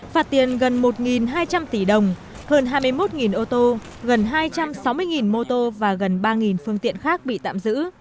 phạt tiền gần một hai trăm linh tỷ đồng hơn hai mươi một ô tô gần hai trăm sáu mươi mô tô và gần ba phương tiện khác bị tạm giữ